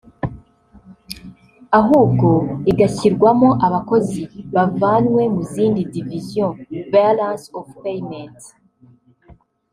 ahubwo igashyirwamo abakozi bavanywe mu zindi “divisions” (Balance of Payment